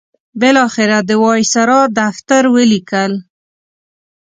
بالاخره د وایسرا دفتر ولیکل.